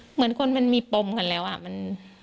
เหมือนคนมันมีปมกันแล้วอ่ะ